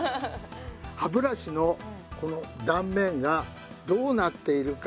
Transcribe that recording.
歯ブラシのこの断面がどうなっているか当てて下さい。